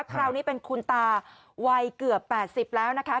คราวนี้เป็นคุณตาวัยเกือบ๘๐แล้วนะคะ